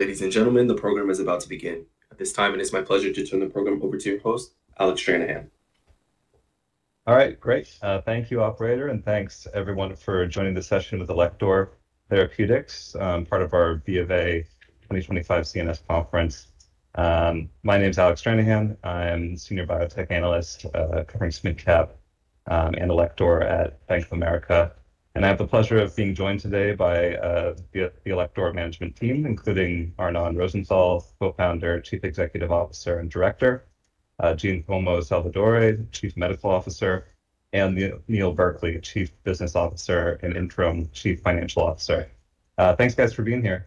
Ladies and gentlemen, the program is about to begin at this time, and it's my pleasure to turn the program over to your host, Alex Shanahan. All right, great. Thank you, Operator, and thanks everyone for joining the session with Alector Therapeutics, part of our BofA 2025 CNS Conference. My name is Alex Shanahan. I am a Senior Biotech Analyst covering SMID-cap and Alector at Bank of America. And I have the pleasure of being joined today by the Alector management team, including Arnon Rosenthal, Co-founder, Chief Executive Officer and Director; Giacomo Salvadore, Chief Medical Officer; and Neil Berkley, Chief Business Officer and Interim Chief Financial Officer. Thanks, guys, for being here.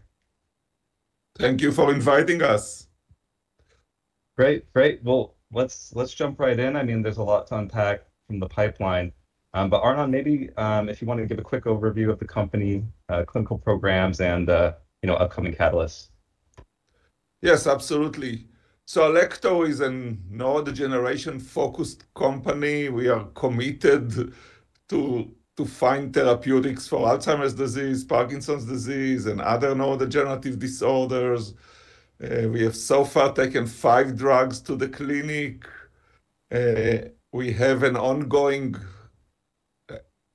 Thank you for inviting us. Great, great. Well, let's jump right in. I mean, there's a lot to unpack from the pipeline. But Arnon, maybe if you want to give a quick overview of the company, clinical programs, and upcoming catalysts. Yes, absolutely, so Alector is a neurodegeneration-focused company. We are committed to finding therapeutics for Alzheimer's disease, Parkinson's disease, and other neurodegenerative disorders. We have so far taken five drugs to the clinic. We have an ongoing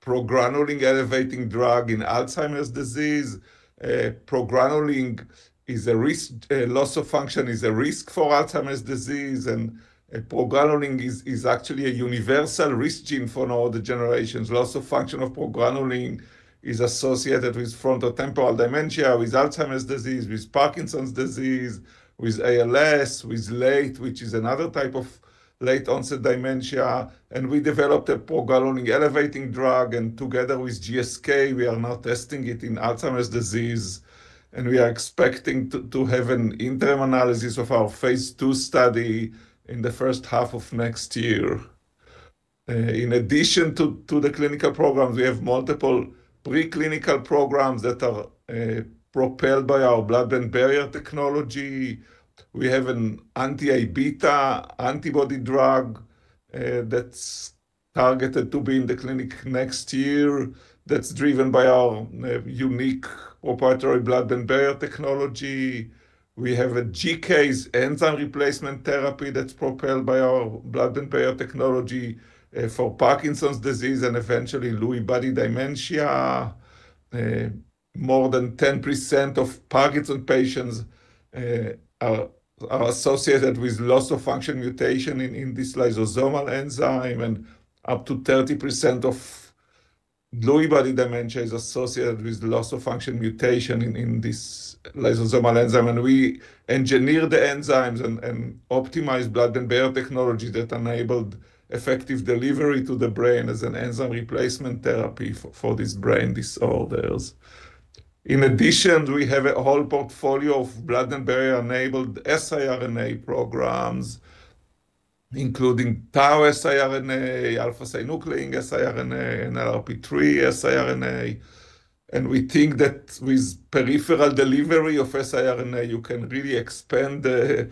Progranulin-elevating drug in Alzheimer's disease. Progranulin is a risk. Loss of function is a risk for Alzheimer's disease, and progranulin is actually a universal risk gene for neurodegenerations. Loss of function of progranulin is associated with frontotemporal dementia, with Alzheimer's disease, with Parkinson's disease, with ALS, with LATE, which is another type of late-onset dementia, and we developed a Progranulin-elevating drug, and together with GSK, we are now testing it in Alzheimer's disease, and we are expecting to have an interim analysis of our phase II study in the first half of next year. In addition to the clinical programs, we have multiple preclinical programs that are propelled by our Blood-Brain Barrier technology. We have an anti-amyloid-β antibody drug that's targeted to be in the clinic next year that's driven by our unique proprietary Blood-Brain Barrier technology. We have a GCase enzyme replacement therapy that's propelled by our Blood-Brain Barrier technology for Parkinson's disease and eventually Lewy body dementia. More than 10% of Parkinson's patients are associated with loss of function mutation in this lysosomal enzyme. And up to 30% of Lewy body dementia is associated with loss of function mutation in this lysosomal enzyme. And we engineer the enzymes and optimize Blood-Brain Barrier technology that enabled effective delivery to the brain as an enzyme replacement therapy for these brain disorders. In addition, we have a whole portfolio of Blood-Brain Barrier-enabled siRNA programs, including Tau siRNA, α-synuclein siRNA, NLRP3 siRNA. We think that with peripheral delivery of siRNA, you can really expand the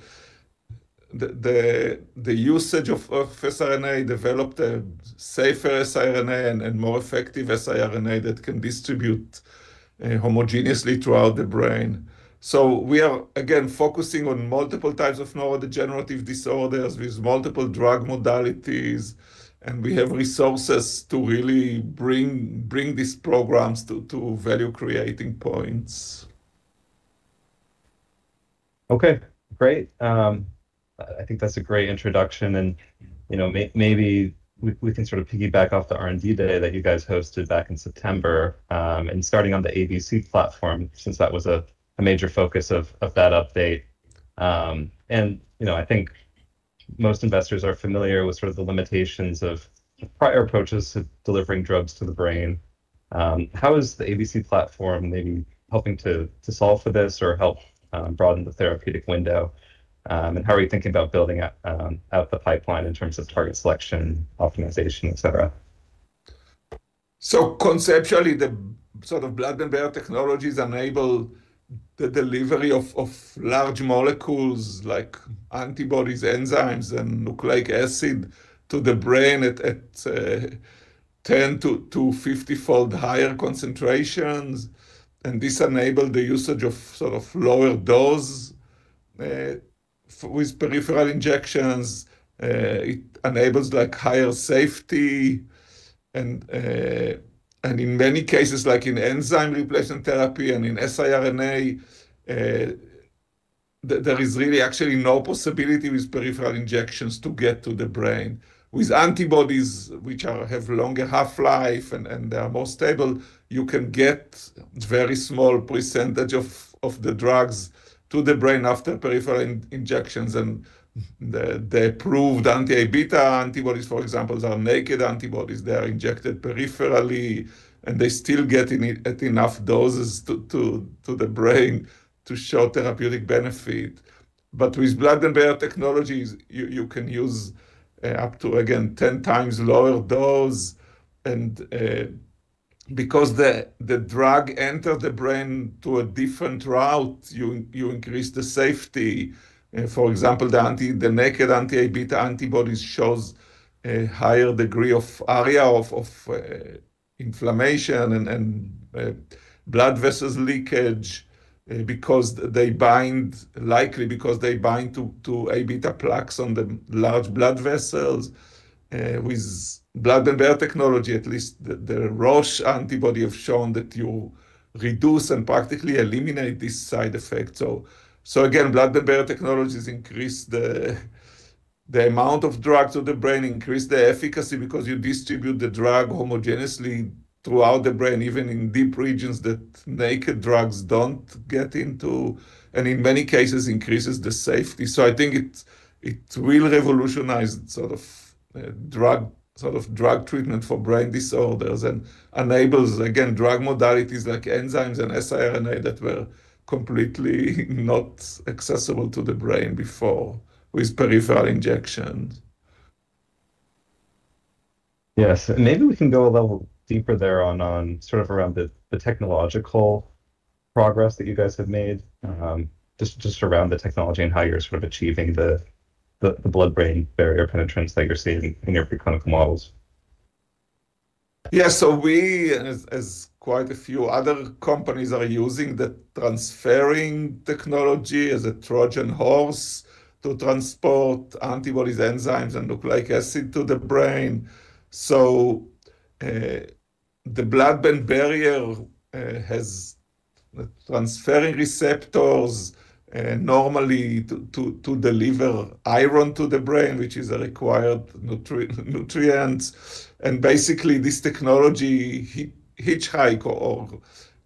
usage of siRNA, develop a safer siRNA and more effective siRNA that can distribute homogeneously throughout the brain. We are, again, focusing on multiple types of neurodegenerative disorders with multiple drug modalities. We have resources to really bring these programs to value-creating points. Okay, great. I think that's a great introduction. And maybe we can sort of piggyback off the R&D day that you guys hosted back in September and starting on the ABC platform, since that was a major focus of that update. And I think most investors are familiar with sort of the limitations of prior approaches to delivering drugs to the brain. How is the ABC platform maybe helping to solve for this or help broaden the therapeutic window? And how are you thinking about building out the pipeline in terms of target selection, optimization, et cetera? Conceptually, the sort of Blood-Brain Barrier technologies enable the delivery of large molecules like antibodies, enzymes, and nucleic acid to the brain at 10-50 fold higher concentrations. And this enables the usage of sort of lower dose with peripheral injections. It enables higher safety. And in many cases, like in enzyme replacement therapy and in siRNA, there is really actually no possibility with peripheral injections to get to the brain. With antibodies, which have a longer half-life and they are more stable, you can get a very small percentage of the drugs to the brain after peripheral injections. And the approved anti-amyloid beta antibodies, for example, are naked antibodies. They are injected peripherally, and they still get at enough doses to the brain to show therapeutic benefit. But with Blood-Brain Barrier technologies, you can use up to, again, 10x lower dose. And because the drug enters the brain through a different route, you increase the safety. For example, the naked anti-Aβ antibodies show a higher degree of area of inflammation and blood vessel leakage because they bind, likely because they bind to Aβ plaques on the large blood vessels. With Blood-Brain Barrier technology, at least the Roche antibody has shown that you reduce and practically eliminate these side effects. So again, Blood-Brain Barrier technologies increase the amount of drug to the brain, increase the efficacy because you distribute the drug homogeneously throughout the brain, even in deep regions that naked drugs don't get into. And in many cases, it increases the safety. So I think it will revolutionize sort of drug treatment for brain disorders and enables, again, drug modalities like enzymes and siRNA that were completely not accessible to the brain before with peripheral injections. Yes. And maybe we can go a little deeper there on sort of around the technological progress that you guys have made, just around the technology and how you're sort of achieving the Blood-Brain Barrier penetrance that you're seeing in your preclinical models. Yeah, so we, as quite a few other companies, are using the transferrin technology as a Trojan horse to transport antibodies, enzymes, and nucleic acid to the brain. So the Blood-Brain Barrier has transferrin receptors normally to deliver iron to the brain, which is a required nutrient. And basically, this technology hitchhikes or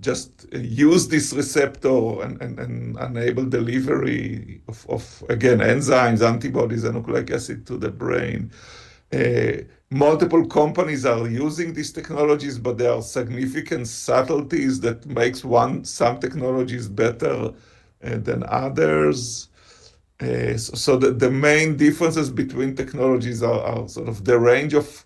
just uses this receptor and enables the delivery of, again, enzymes, antibodies, and nucleic acid to the brain. Multiple companies are using these technologies, but there are significant subtleties that make some technologies better than others. So the main differences between technologies are sort of the range of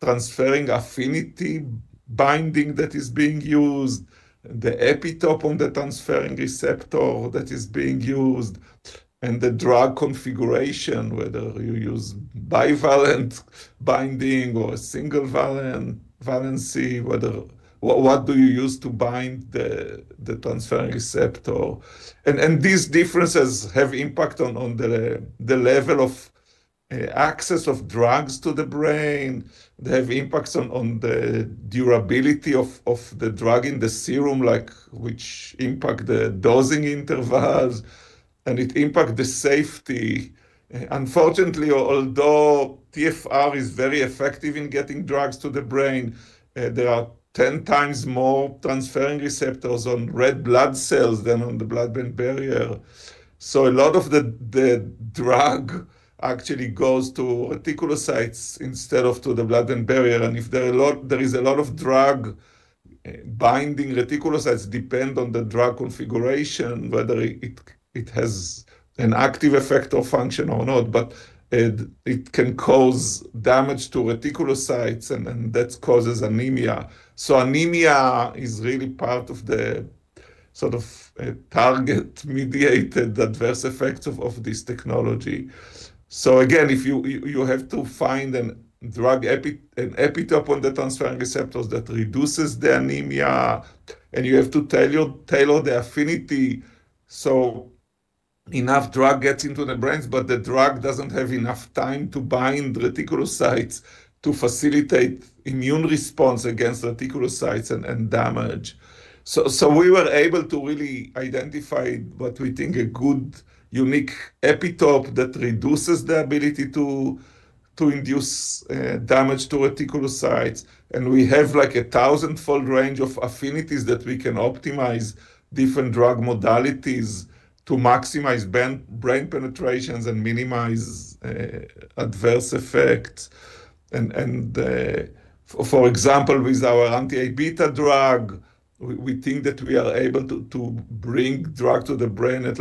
transferrin affinity binding that is being used, the epitope on the transferrin receptor that is being used, and the drug configuration, whether you use bivalent binding or single-valency, what do you use to bind the transferrin receptor. These differences have an impact on the level of access of drugs to the brain. They have impacts on the durability of the drug in the serum, which impacts the dosing intervals. And it impacts the safety. Unfortunately, although TfR is very effective in getting drugs to the brain, there are 10x more transferrin receptors on red blood cells than on the Blood-Brain Barrier. So a lot of the drug actually goes to reticulocytes instead of to the Blood-Brain Barrier. And if there is a lot of drug binding reticulocytes, it depends on the drug configuration, whether it has an active effect or function or not. But it can cause damage to reticulocytes, and that causes anemia. So anemia is really part of the sort of target-mediated adverse effects of this technology. So again, you have to find an epitope on the transferrin receptors that reduces the anemia. You have to tailor the affinity. Enough drug gets into the brains, but the drug doesn't have enough time to bind reticulocytes to facilitate immune response against reticulocytes and damage. We were able to really identify what we think is a good unique epitope that reduces the ability to induce damage to reticulocytes. We have like a thousand-fold range of affinities that we can optimize different drug modalities to maximize brain penetrations and minimize adverse effects. For example, with our anti-amyloid beta drug, we think that we are able to bring drugs to the brain at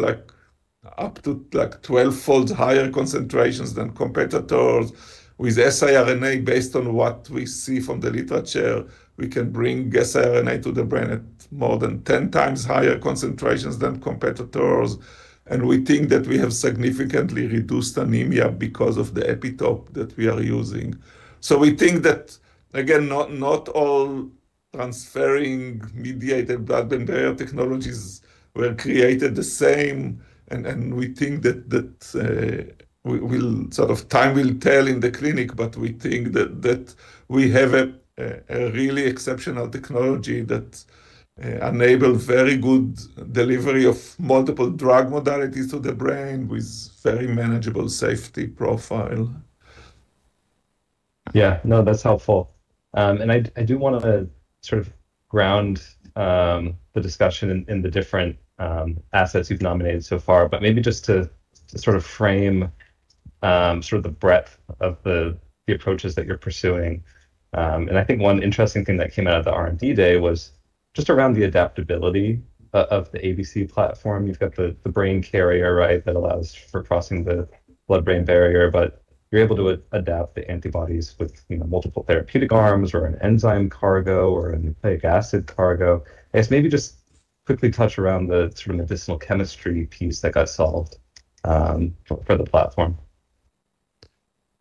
up to like 12-fold higher concentrations than competitors. With siRNA, based on what we see from the literature, we can bring siRNA to the brain at more than 10x higher concentrations than competitors. We think that we have significantly reduced anemia because of the epitope that we are using. We think that, again, not all transferrin-mediated Blood-Brain Barrier technologies were created the same. We think that time will tell in the clinic, but we think that we have a really exceptional technology that enables very good delivery of multiple drug modalities to the brain with very manageable safety profile. Yeah, no, that's helpful. And I do want to sort of ground the discussion in the different assets you've nominated so far, but maybe just to sort of frame sort of the breadth of the approaches that you're pursuing. And I think one interesting thing that came out of the R&D day was just around the adaptability of the ABC platform. You've got the brain carrier, right, that allows for crossing the Blood-Brain barrier, but you're able to adapt the antibodies with multiple therapeutic arms or an enzyme cargo or a nucleic acid cargo. I guess maybe just quickly touch around the sort of medicinal chemistry piece that got solved for the platform.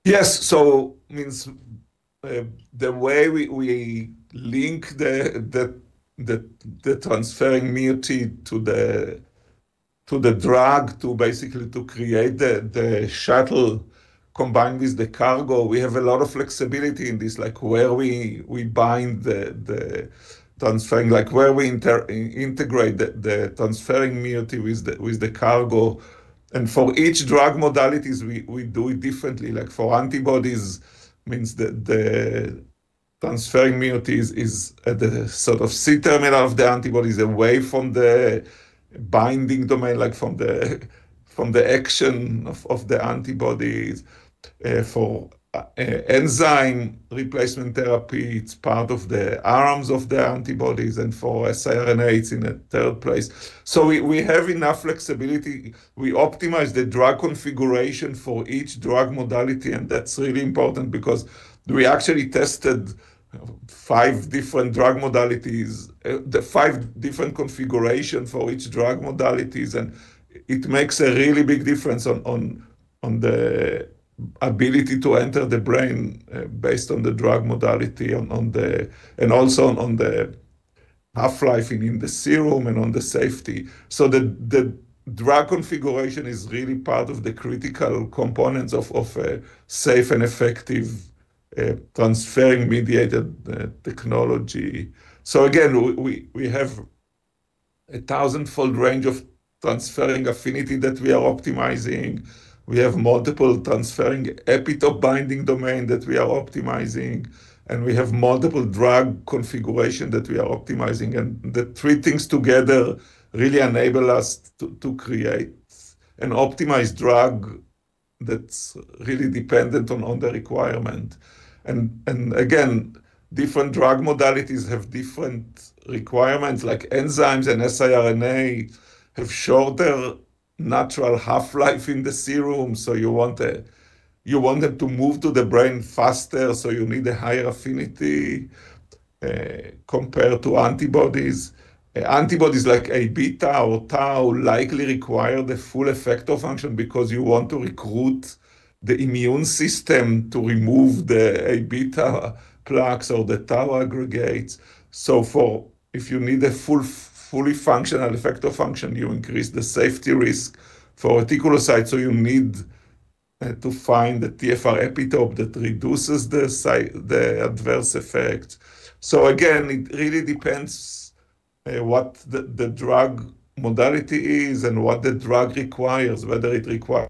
Yes. So it means the way we link the transferrin moiety to the drug, basically to create the shuttle combined with the cargo, we have a lot of flexibility in this, like where we bind the transferrin, like where we integrate the transferrin moiety with the cargo. And for each drug modality, we do it differently. Like for antibodies, it means the transferrin moiety is at the sort of C-terminal of the antibodies away from the binding domain, like from the action of the antibodies. For enzyme replacement therapy, it's part of the arms of the antibodies. And for siRNA, it's in a third place. So we have enough flexibility. We optimize the drug configuration for each drug modality. And that's really important because we actually tested five different drug modalities, five different configurations for each drug modality. It makes a really big difference on the ability to enter the brain based on the drug modality and also on the half-life in the serum and on the safety. So the drug configuration is really part of the critical components of a safe and effective transferrin-mediated technology. So again, we have a thousand-fold range of transferrin affinity that we are optimizing. We have multiple transferrin epitope binding domains that we are optimizing. And we have multiple drug configurations that we are optimizing. And the three things together really enable us to create an optimized drug that's really dependent on the requirement. And again, different drug modalities have different requirements. Like enzymes and siRNA have shorter natural half-life in the serum. So you want them to move to the brain faster. So you need a higher affinity compared to antibodies. Antibodies like A beta or tau likely require the full effector function because you want to recruit the immune system to remove the A beta plaques or the tau aggregates. So if you need a fully functional effector function, you increase the safety risk for reticulocytes. So you need to find the TfR epitope that reduces the adverse effects. So again, it really depends on what the drug modality is and what the drug requires, whether it requires.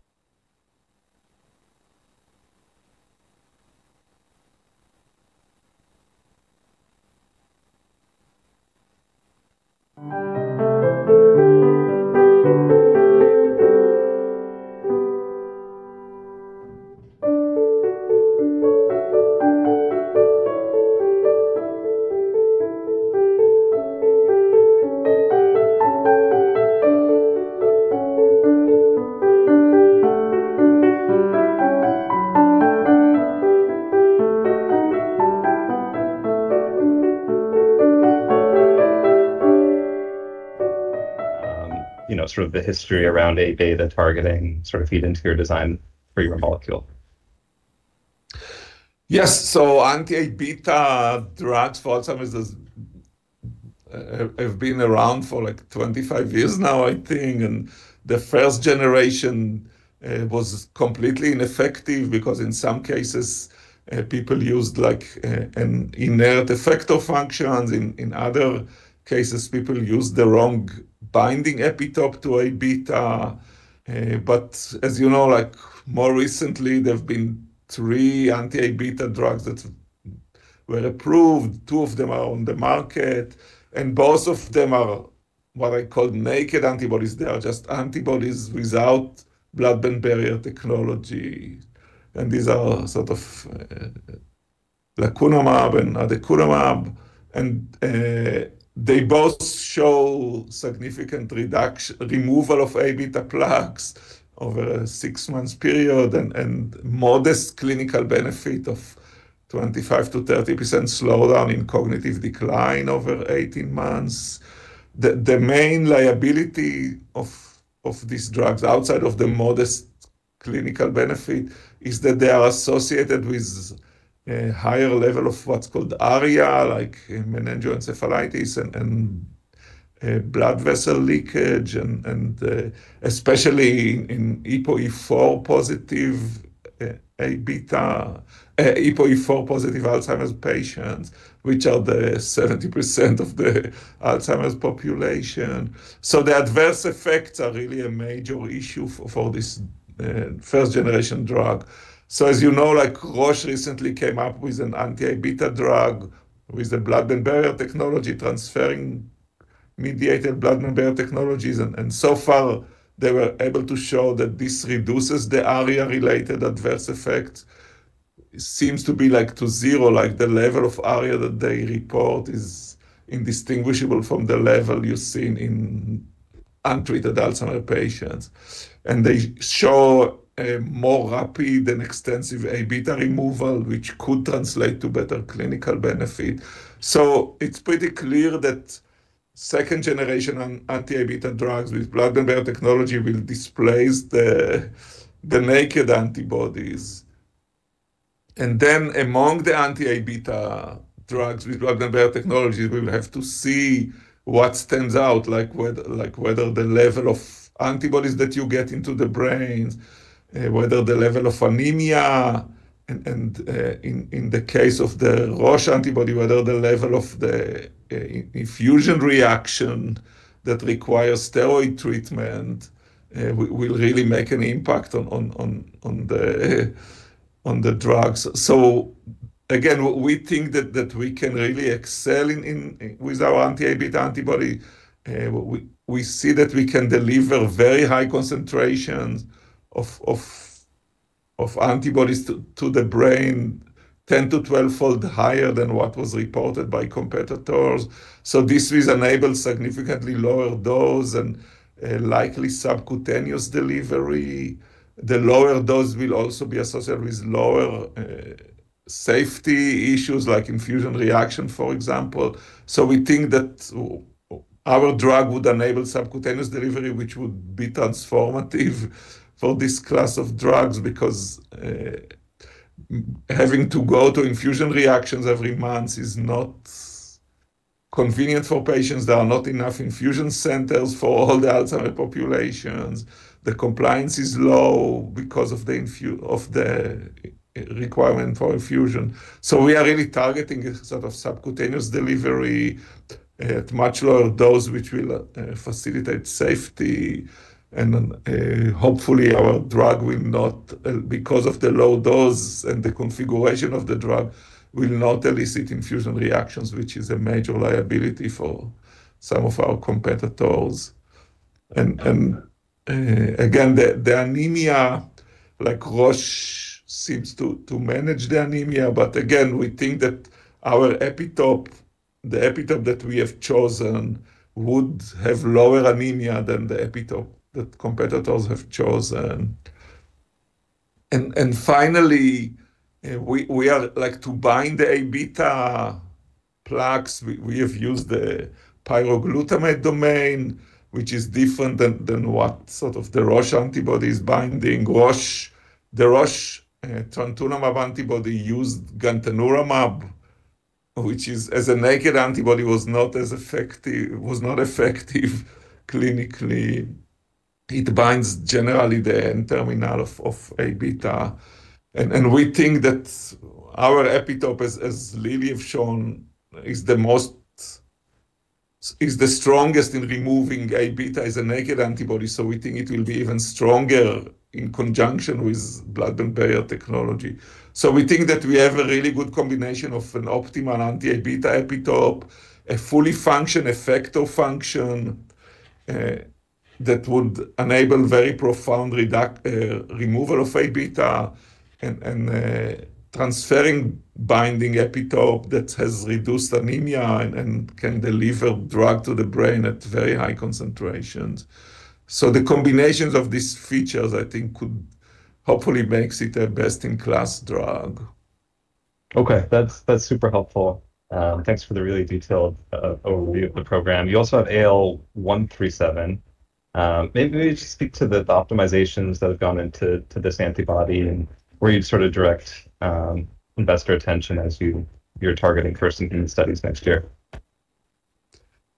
Sort of, the history around A-beta targeting sort of fed into your design for your molecule. Yes. So anti-Aβ drugs for some have been around for like 25 years now, I think. And the first generation was completely ineffective because in some cases, people used like an inert effector function. In other cases, people used the wrong binding epitope to Aβ. But as you know, like more recently, there have been three anti-Aβ drugs that were approved. Two of them are on the market. And both of them are what I call naked antibodies. They are just antibodies without Blood-Brain Barrier technology. And these are sort of lecanemab and aducanumab. And they both show significant removal of Aβ plaques over a six-month period and modest clinical benefit of 25%-30% slowdown in cognitive decline over 18 months. The main liability of these drugs outside of the modest clinical benefit is that they are associated with a higher level of what's called ARIA, like meningoencephalitis and blood vessel leakage, especially in APOE4-positive Alzheimer's patients, which are the 70% of the Alzheimer's population. So the adverse effects are really a major issue for this first-generation drug. So as you know, like Roche recently came up with an anti-amyloid beta drug with the Blood-Brain Barrier technology, transferrin-mediated Blood-Brain Barrier technologies. And so far, they were able to show that this reduces the ARIA-related adverse effects. It seems to be like to zero, like the level of ARIA that they report is indistinguishable from the level you've seen in untreated Alzheimer's patients. And they show a more rapid and extensive amyloid beta removal, which could translate to better clinical benefit. So it's pretty clear that second-generation anti-Aβ drugs with Blood-Brain Barrier technology will displace the naked antibodies. And then among the anti-Aβ drugs with Blood-Brain Barrier technology, we will have to see what stands out, like whether the level of antibodies that you get into the brain, whether the level of anemia, and in the case of the Roche antibody, whether the level of the infusion reaction that requires steroid treatment will really make an impact on the drugs. So again, we think that we can really excel with our anti-Aβ antibody. We see that we can deliver very high concentrations of antibodies to the brain, 10-12 fold higher than what was reported by competitors. So this will enable significantly lower dose and likely subcutaneous delivery. The lower dose will also be associated with lower safety issues, like infusion reaction, for example. We think that our drug would enable subcutaneous delivery, which would be transformative for this class of drugs because having to go to infusion reactions every month is not convenient for patients. There are not enough infusion centers for all the Alzheimer's populations. The compliance is low because of the requirement for infusion. We are really targeting sort of subcutaneous delivery at much lower dose, which will facilitate safety. Hopefully, our drug will not, because of the low dose and the configuration of the drug, will not elicit infusion reactions, which is a major liability for some of our competitors. Again, the anemia, like Roche seems to manage the anemia. Again, we think that the epitope that we have chosen would have lower anemia than the epitope that competitors have chosen. Finally, we are like to bind the Aβ plaques. We have used the pyroglutamate domain, which is different than what sort of the Roche antibody is binding. The Roche Trontinemab antibody used Gantenerumab, which as a naked antibody was not effective clinically. It binds generally the N-terminal of A beta. And we think that our epitope, as Lilly has shown, is the strongest in removing A beta as a naked antibody. So we think it will be even stronger in conjunction with Blood-Brain Barrier technology. So we think that we have a really good combination of an optimal anti-A beta epitope, a fully functional effector function that would enable very profound removal of A beta and transferrin binding epitope that has reduced anemia and can deliver drug to the brain at very high concentrations. So the combination of these features, I think, could hopefully make it a best-in-class drug. Okay. That's super helpful. Thanks for the really detailed overview of the program. You also have AL137. Maybe you could just speak to the optimizations that have gone into this antibody and where you'd sort of direct investor attention as you're targeting for some of these studies next year.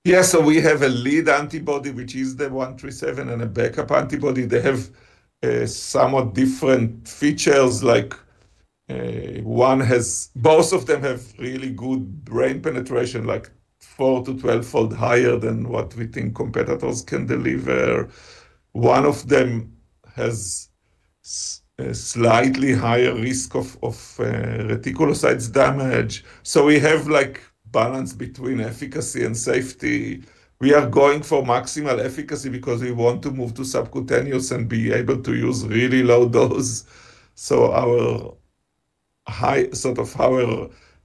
Yeah. So we have a lead antibody, which is AL137, and a backup antibody. They have somewhat different features. Both of them have really good brain penetration, like 4-12-fold higher than what we think competitors can deliver. One of them has slightly higher risk of reticulocyte damage. So we have like balance between efficacy and safety. We are going for maximal efficacy because we want to move to subcutaneous and be able to use really low dose. So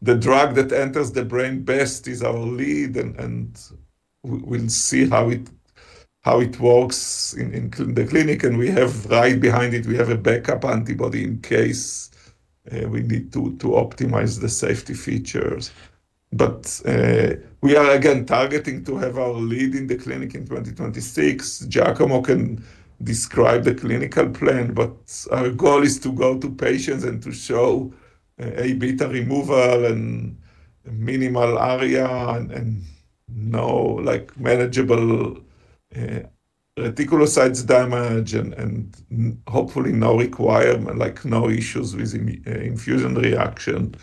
the drug that enters the brain best is our lead. And we'll see how it works in the clinic. And we have right behind it, we have a backup antibody in case we need to optimize the safety features. But we are, again, targeting to have our lead in the clinic in 2026. Giacomo can describe the clinical plan, but our goal is to go to patients and to show amyloid beta removal and minimal ARIA and no manageable reticulocyte damage and hopefully no requirement, like no issues with infusion reaction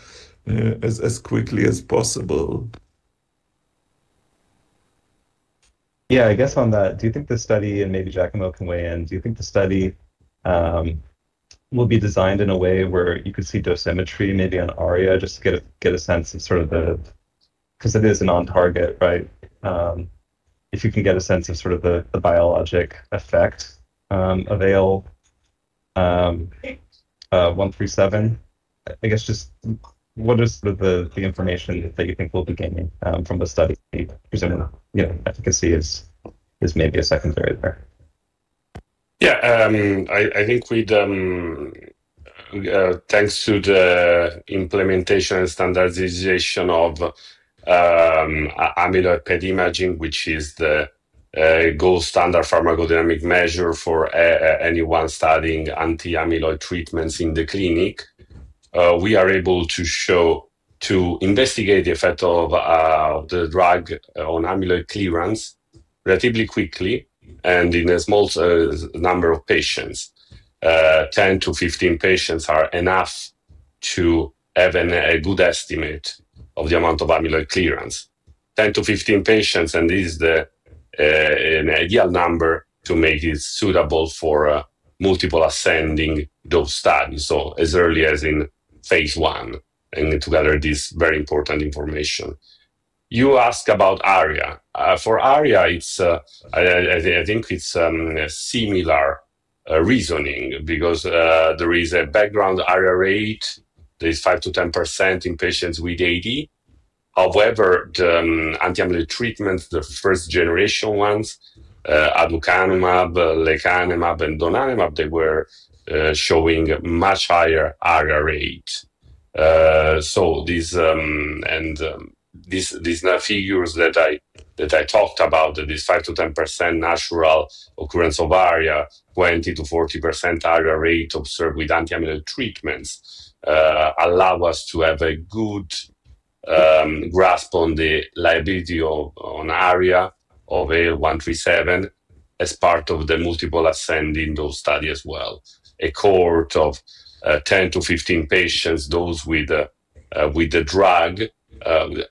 as quickly as possible. Yeah. I guess on that, do you think the study and maybe Giacomo can weigh in? Do you think the study will be designed in a way where you could see dosimetry, maybe on ARIA, just to get a sense of sort of the, because it is an on-target, right? If you can get a sense of sort of the biologic effect of AL137, I guess just what is the information that you think we'll be gaining from the study? Presumably, efficacy is maybe a secondary there. Yeah. I think thanks to the implementation and standardization of amyloid PET imaging, which is the gold standard pharmacodynamic measure for anyone studying anti-amyloid treatments in the clinic, we are able to show to investigate the effect of the drug on amyloid clearance relatively quickly and in a small number of patients. 10-15 patients are enough to have a good estimate of the amount of amyloid clearance. 10-15 patients, and this is an ideal number to make it suitable for multiple ascending dose studies, so as early as in phase I and to gather this very important information. You asked about ARIA. For ARIA, I think it's a similar reasoning because there is a background ARIA rate. There is 5%-10% in patients with AD. However, the anti-amyloid treatments, the first-generation ones, Aducanumab, Lecanemab, and Donanemab, they were showing much higher ARIA rate. These figures that I talked about, that is 5%-10% natural occurrence of ARIA, 20%-40% ARIA rate observed with anti-amyloid treatments allow us to have a good grasp on the liability on ARIA of AL137 as part of the multiple ascending dose study as well. A cohort of 10-15 patients, those with the drug,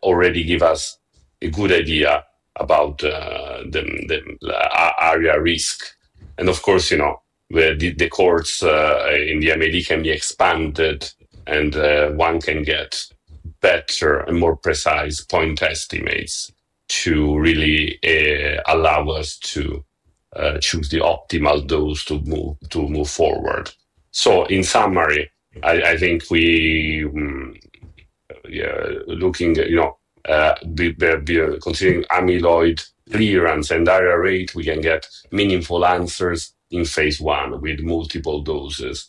already give us a good idea about the ARIA risk. Of course, the cohorts in the MAD can be expanded and one can get better and more precise point estimates to really allow us to choose the optimal dose to move forward. In summary, I think looking at considering amyloid clearance and ARIA rate, we can get meaningful answers in phase I with multiple doses.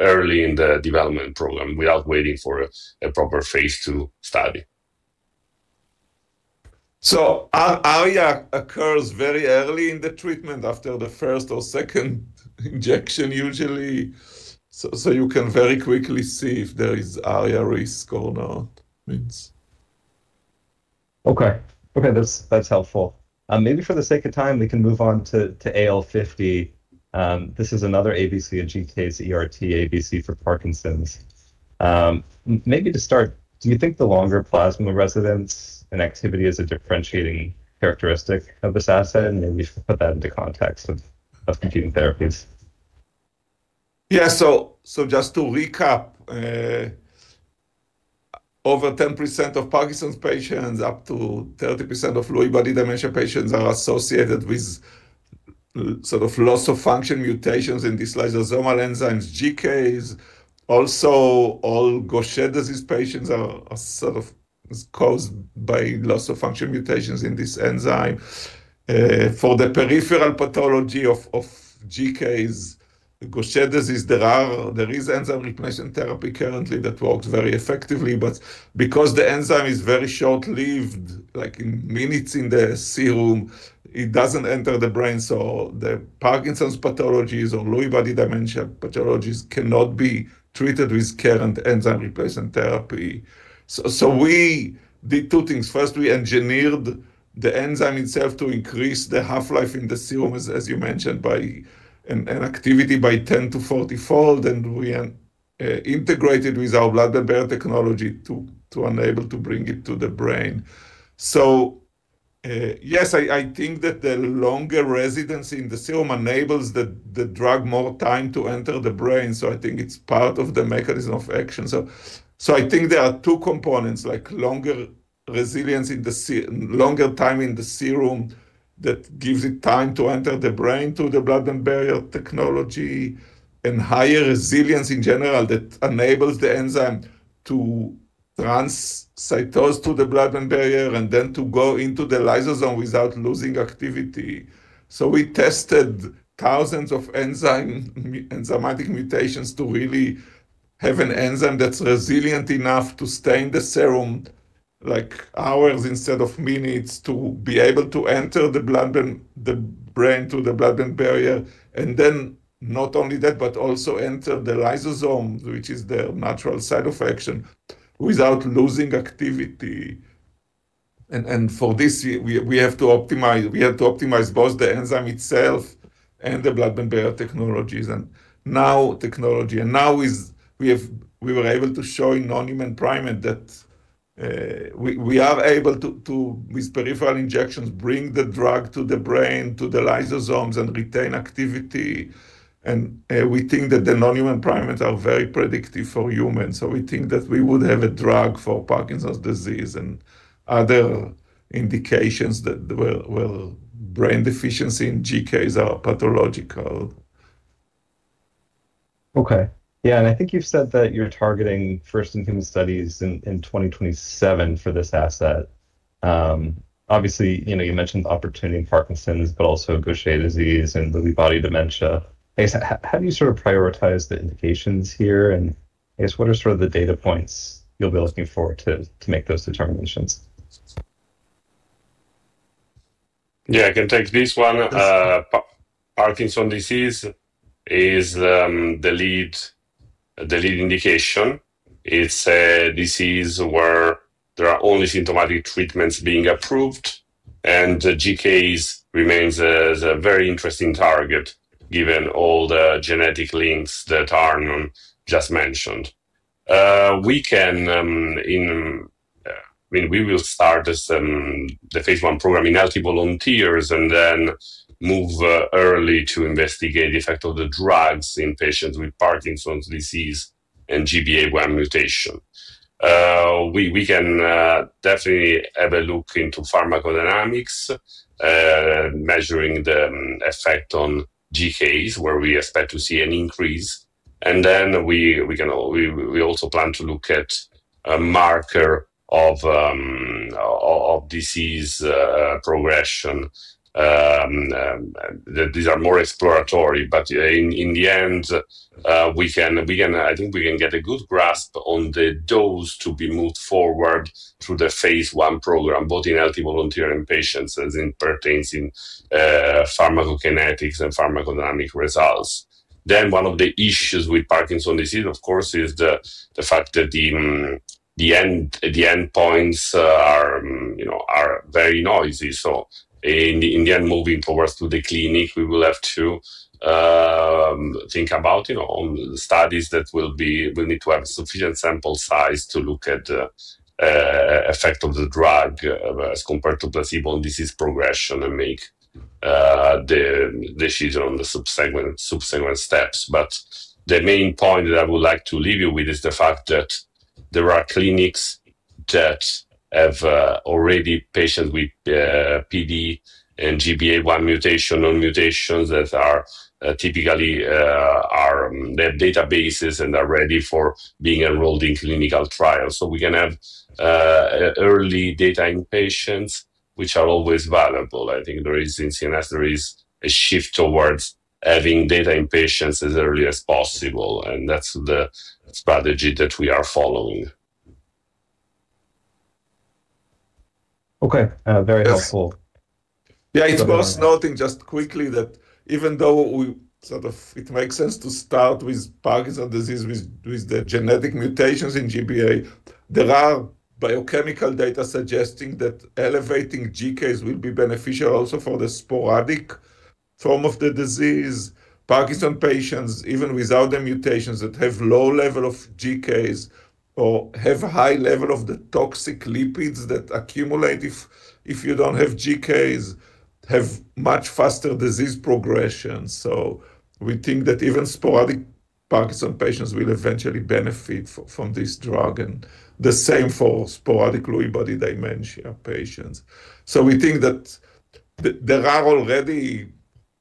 Early in the development program without waiting for a proper phase II study. So ARIA occurs very early in the treatment after the first or second injection usually. So you can very quickly see if there is ARIA risk or not. Okay. Okay. That's helpful. Maybe for the sake of time, we can move on to AL50. This is another ABC, a GCase-ERT ABC for Parkinson's. Maybe to start, do you think the longer plasma residence and activity is a differentiating characteristic of this asset? Maybe you should put that into context of competing therapies. Yeah. So just to recap, over 10% of Parkinson's patients, up to 30% of Lewy body dementia patients are associated with sort of loss of function mutations in these lysosomal enzymes, GCase. Also, all Gaucher disease patients are sort of caused by loss of function mutations in this enzyme. For the peripheral pathology of GCase, Gaucher disease, there is enzyme replacement therapy currently that works very effectively. But because the enzyme is very short-lived, like minutes in the serum, it doesn't enter the brain. So the Parkinson's pathologies or Lewy body dementia pathologies cannot be treated with current enzyme replacement therapy. So we did two things. First, we engineered the enzyme itself to increase the half-life in the serum, as you mentioned, and activity by 10-40 fold. And we integrated with our Blood-Brain Barrier technology to enable to bring it to the brain. Yes, I think that the longer residency in the serum enables the drug more time to enter the brain. I think it's part of the mechanism of action. I think there are two components, like longer time in the serum that gives it time to enter the brain through the Blood-Brain Barrier technology and higher resilience in general that enables the enzyme to transcytose to the Blood-Brain Barrier and then to go into the lysosome without losing activity. We tested thousands of enzymatic mutations to really have an enzyme that's resilient enough to stay in the serum like hours instead of minutes to be able to enter the brain through the Blood-Brain Barrier. And then not only that, but also enter the lysosome, which is the natural site of action, without losing activity. And for this, we have to optimize both the enzyme itself and the Blood-Brain Barrier technologies. And now we were able to show in non-human primates that we are able to, with peripheral injections, bring the drug to the brain, to the lysosomes and retain activity. And we think that the non-human primates are very predictive for humans. So we think that we would have a drug for Parkinson's disease and other indications that brain deficiency and GCase are pathological. Okay. Yeah. And I think you've said that you're targeting first-in-human studies in 2027 for this asset. Obviously, you mentioned opportunity in Parkinson's, but also Gaucher disease and Lewy body dementia. I guess, how do you sort of prioritize the indications here? And I guess, what are sort of the data points you'll be looking for to make those determinations? Yeah. I can take this one. Parkinson's disease is the lead indication. It's a disease where there are only symptomatic treatments being approved. And GCase remains a very interesting target given all the genetic links that Arnon just mentioned. I mean, we will start the phase I program in healthy volunteers and then move early to investigate the effect of the drugs in patients with Parkinson's disease and GBA1 mutation. We can definitely have a look into pharmacodynamics, measuring the effect on GCase where we expect to see an increase. And then we also plan to look at a marker of disease progression. These are more exploratory. But in the end, I think we can get a good grasp on the dose to be moved forward through the phase I program, both in healthy volunteer and patients as it pertains in pharmacokinetics and pharmacodynamic results. One of the issues with Parkinson's disease, of course, is the fact that the endpoints are very noisy. So in the end, moving towards the clinic, we will have to think about studies that will need to have sufficient sample size to look at the effect of the drug as compared to placebo and disease progression and make the decision on the subsequent steps. But the main point that I would like to leave you with is the fact that there are clinics that have already patients with PD and GBA1 mutation, non-mutations that typically have databases and are ready for being enrolled in clinical trials. So we can have early data in patients, which are always valuable. I think there is a shift towards having data in patients as early as possible. And that's the strategy that we are following. Okay. Very helpful. Yeah. It's worth noting just quickly that even though it makes sense to start with Parkinson's disease with the genetic mutations in GBA, there are biochemical data suggesting that elevating GCase will be beneficial also for the sporadic form of the disease. Parkinson's patients, even without the mutations that have low level of GCase or have high level of the toxic lipids that accumulate if you don't have GCase, have much faster disease progression. So we think that even sporadic Parkinson's patients will eventually benefit from this drug and the same for sporadic Lewy body dementia patients. So we think that there are already, I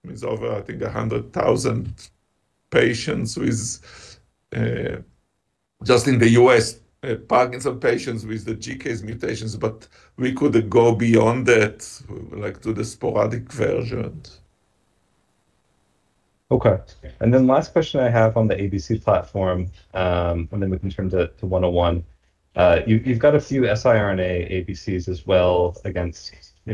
mean, it's over, I think, 100,000 patients with just in the U.S., Parkinson's patients with the GBA mutations, but we could go beyond that to the sporadic version. Okay. And then last question I have on the ABC platform, and then we can turn to 101. You've got a few siRNA ABCs as well against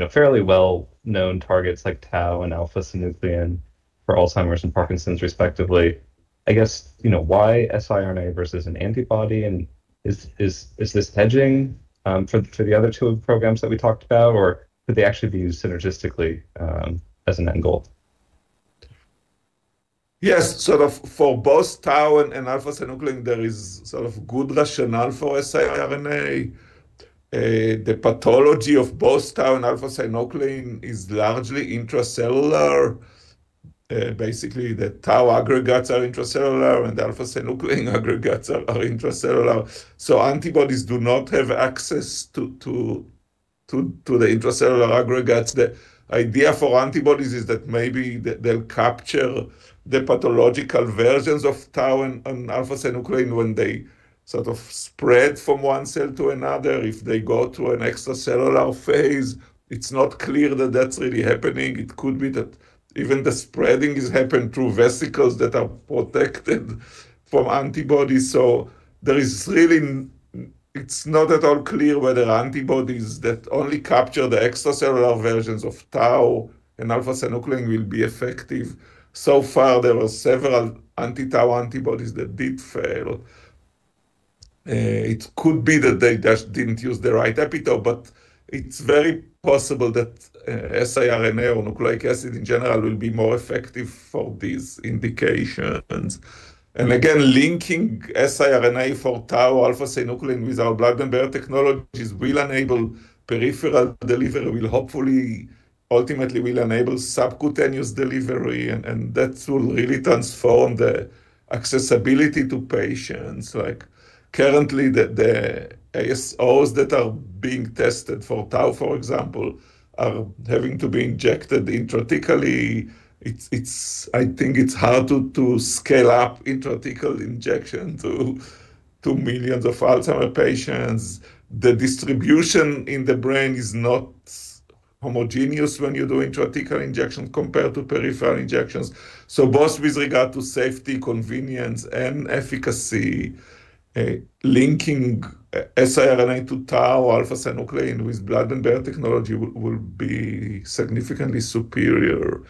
fairly well-known targets like Tau and alpha-synuclein for Alzheimer's and Parkinson's, respectively. I guess, why siRNA versus an antibody? And is this hedging for the other two programs that we talked about, or could they actually be used synergistically as an end goal? Yes. Sort of for both Tau and alpha-synuclein, there is sort of good rationale for siRNA. The pathology of both Tau and alpha-synuclein is largely intracellular. Basically, the Tau aggregates are intracellular and the alpha-synuclein aggregates are intracellular. So antibodies do not have access to the intracellular aggregates. The idea for antibodies is that maybe they'll capture the pathological versions of Tau and alpha-synuclein when they sort of spread from one cell to another. If they go to an extracellular phase, it's not clear that that's really happening. It could be that even the spreading has happened through vesicles that are protected from antibodies. So it's not at all clear whether antibodies that only capture the extracellular versions of Tau and alpha-synuclein will be effective. So far, there were several anti-Tau antibodies that did fail. It could be that they just didn't use the right epitope, but it's very possible that siRNA or nucleic acid in general will be more effective for these indications, and again, linking siRNA for Tau or alpha-synuclein with our Blood-Brain Barrier technologies will enable peripheral delivery, will hopefully ultimately enable subcutaneous delivery, and that will really transform the accessibility to patients. Currently, the ASOs that are being tested for Tau, for example, are having to be injected intrathecally. I think it's hard to scale up intrathecal injection to millions of Alzheimer's patients. The distribution in the brain is not homogeneous when you do intrathecal injection compared to peripheral injections, so both with regard to safety, convenience, and efficacy, linking siRNA to Tau or alpha-synuclein with Blood-Brain Barrier technology will be significantly superior,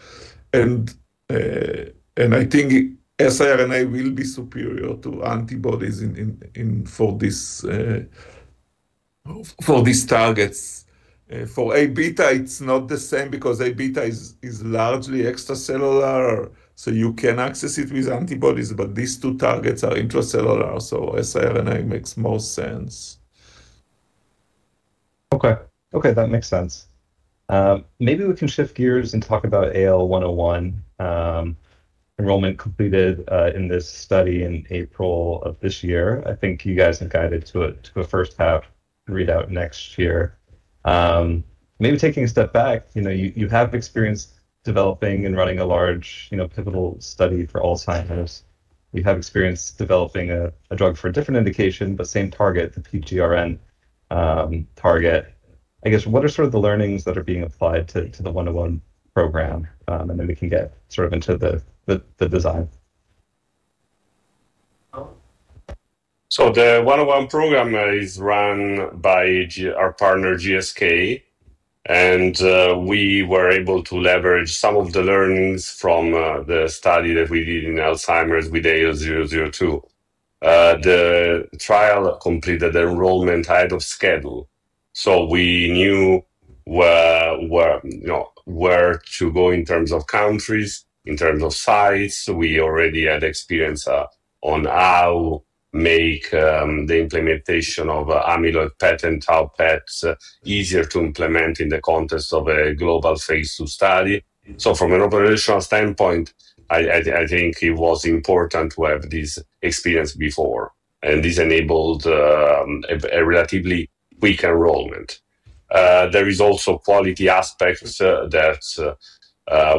and I think siRNA will be superior to antibodies for these targets. For Aβ, it's not the same because Aβ is largely extracellular, so you can access it with antibodies, but these two targets are intracellular, so siRNA makes more sense. Okay. Okay. That makes sense. Maybe we can shift gears and talk about AL101. Enrollment completed in this study in April of this year. I think you guys have guided to a first half readout next year. Maybe taking a step back, you have experience developing and running a large pivotal study for Alzheimer's. You have experience developing a drug for a different indication, but same target, the PGRN target. I guess, what are sort of the learnings that are being applied to the 101 program? And then we can get sort of into the design. The AL101 program is run by our partner, GSK, and we were able to leverage some of the learnings from the study that we did in Alzheimer's with AL002. The trial completed the enrollment ahead of schedule. We knew where to go in terms of countries, in terms of size. We already had experience on how to make the implementation of amyloid beta and Tau PETs easier to implement in the context of a global phase II study. From an operational standpoint, I think it was important to have this experience before. This enabled a relatively quick enrollment. There is also quality aspects that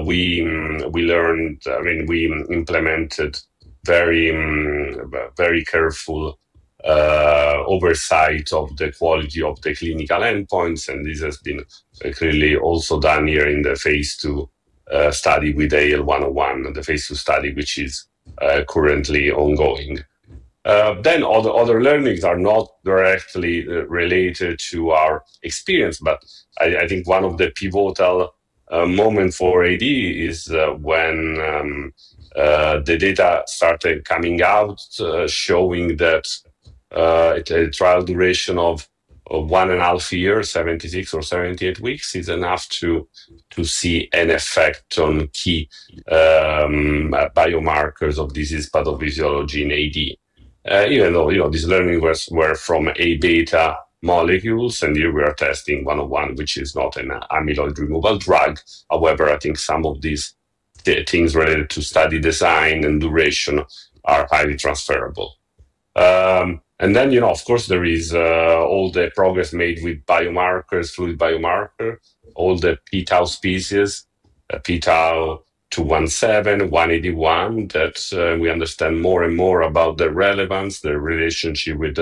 we learned. I mean, we implemented very careful oversight of the quality of the clinical endpoints, and this has been clearly also done here in the phase II study with AL101, the phase II study, which is currently ongoing. Other learnings are not directly related to our experience, but I think one of the pivotal moments for AD is when the data started coming out showing that a trial duration of one and a half years, 76 or 78 weeks, is enough to see an effect on key biomarkers of disease pathophysiology in AD. Even though these learnings were from Aβ molecules, and here we are testing AL101, which is not an amyloid removal drug. However, I think some of these things related to study design and duration are highly transferable. Of course, there is all the progress made with biomarkers, fluid biomarkers, all the p-tau species, p-tau 217, 181, that we understand more and more about the relevance, the relationship with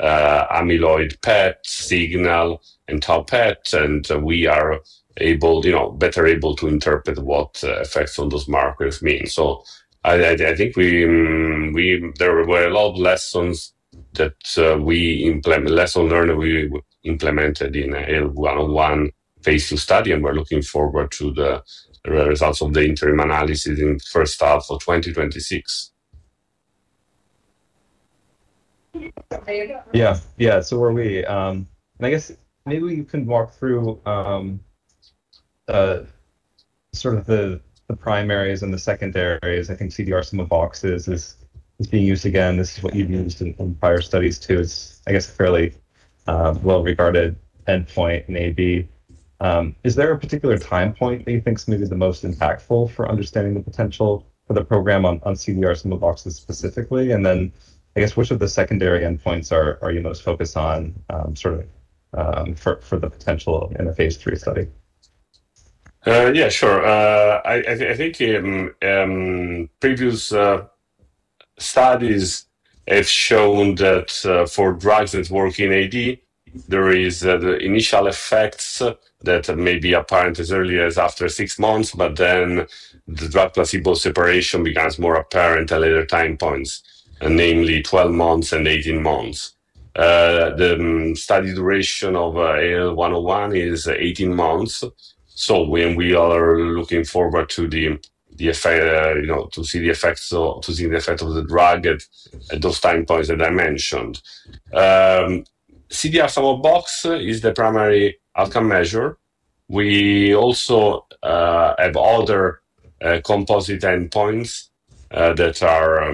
amyloid PET signal and Tau PET, and we are better able to interpret what effects on those markers mean. I think there were a lot of lessons that we implemented, lessons learned that we implemented in AL101 phase II study, and we're looking forward to the results of the interim analysis in the first half of 2026. Yeah. Yeah. So were we. And I guess maybe we can walk through sort of the primaries and the secondaries. I think CDR-SB is being used again. This is what you've used in prior studies too. It's, I guess, a fairly well-regarded endpoint, maybe. Is there a particular time point that you think is maybe the most impactful for understanding the potential for the program on CDR-SB specifically? And then, I guess, which of the secondary endpoints are you most focused on sort of for the potential in a phase III study? Yeah, sure. I think previous studies have shown that for drugs that work in AD, there are initial effects that may be apparent as early as after six months, but then the drug-placebo separation becomes more apparent at later time points, namely 12 months and 18 months. The study duration of AL101 is 18 months. So when we are looking forward to see the effects of the drug at those time points that I mentioned. CDR-SB is the primary outcome measure. We also have other composite endpoints that are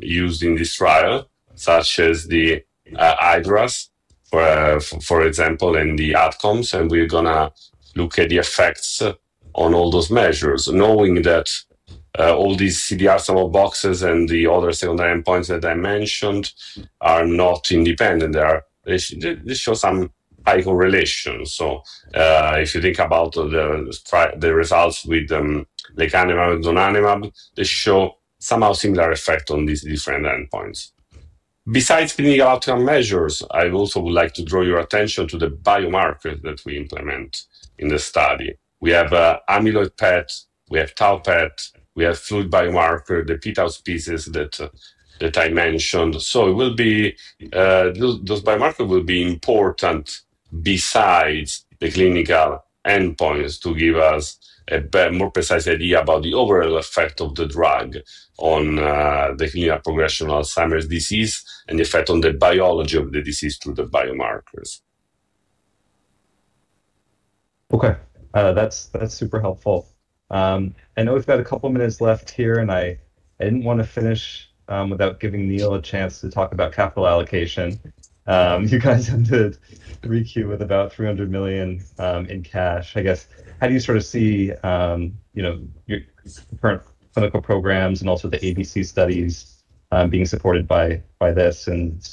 used in this trial, such as the iADRS, for example, and the outcomes, and we're going to look at the effects on all those measures, knowing that all these CDR-SB and the other secondary endpoints that I mentioned are not independent. They show some high correlation. So if you think about the results with Lecanemab and Donanemab, they show somehow similar effect on these different endpoints. Besides clinical outcome measures, I also would like to draw your attention to the biomarkers that we implement in the study. We have Amyloid PET, we have Tau PET, we have fluid biomarker, the p-Tau species that I mentioned. So those biomarkers will be important besides the clinical endpoints to give us a more precise idea about the overall effect of the drug on the clinical progression of Alzheimer's disease and the effect on the biology of the disease through the biomarkers. Okay. That's super helpful. I know we've got a couple of minutes left here, and I didn't want to finish without giving Neil a chance to talk about capital allocation. You guys have to recoup with about $300 million in cash, I guess. How do you sort of see your current clinical programs and also the ABC studies being supported by this, and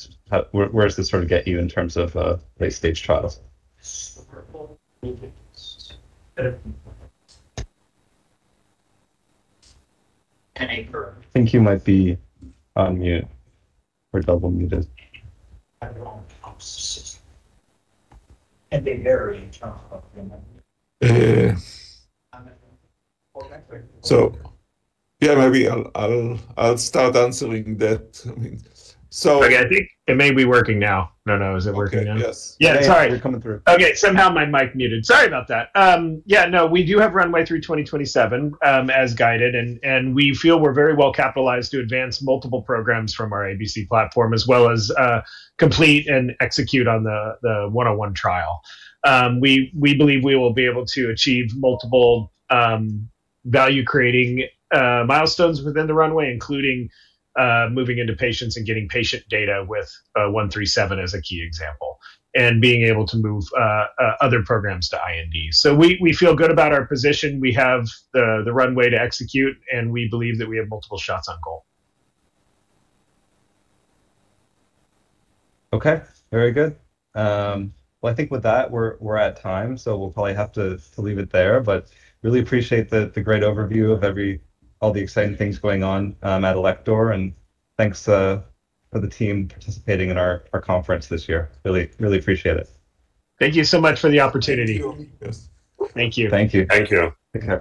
where does this sort of get you in terms of late-stage trials? I think you might be on mute or double muted? So yeah, maybe I'll start answering that. I mean, so. Okay. I think it may be working now. No, no. Is it working now? Yes. Yeah. Sorry. You're coming through. Okay. Somehow my mic muted. Sorry about that. Yeah. No, we do have runway through 2027 as guided, and we feel we're very well capitalized to advance multiple programs from our ABC platform as well as complete and execute on the 101 trial. We believe we will be able to achieve multiple value-creating milestones within the runway, including moving into patients and getting patient data with 137 as a key example, and being able to move other programs to IND. So we feel good about our position. We have the runway to execute, and we believe that we have multiple shots on goal. Okay. Very good. Well, I think with that, we're at time, so we'll probably have to leave it there, but really appreciate the great overview of all the exciting things going on at Alector, and thanks for the team participating in our conference this year. Really appreciate it. Thank you so much for the opportunity. Thank you. Thank you. Thank you. Thank you.